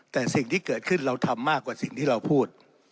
แต่สิ่งที่เกิดขึ้นเราทำมากกว่าสิ่งที่เราพูด